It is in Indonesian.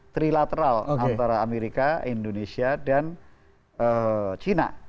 trilateral antara amerika indonesia dan china